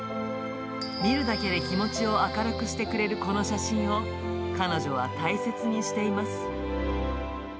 見るだけで気持ちを明るくしてくれるこの写真を、彼女は大切にしています。